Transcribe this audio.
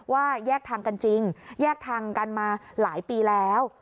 แยกทางกันจริงแยกทางกันมาหลายปีแล้ว